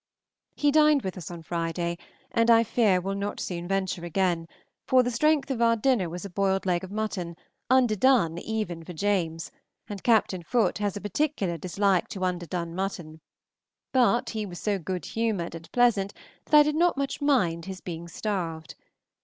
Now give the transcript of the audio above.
He dined with us on Friday, and I fear will not soon venture again, for the strength of our dinner was a boiled leg of mutton, underdone even for James; and Captain Foote has a particular dislike to underdone mutton; but he was so good humored and pleasant that I did not much mind his being starved.